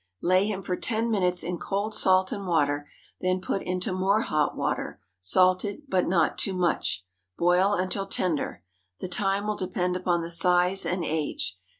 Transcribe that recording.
Lay him for ten minutes in cold salt and water; then put into more hot water—salted, but not too much. Boil until tender. The time will depend upon the size and age.